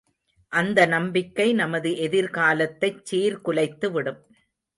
அந்த நம்பிக்கை நமது எதிர்காலத்தைச் சீர்குலைத்துவிடும்.